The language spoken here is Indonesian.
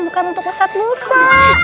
bukan untuk ustadz musa